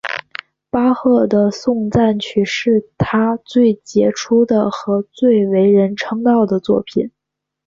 巴赫的颂赞曲是他最杰出的和最为人称道的作品。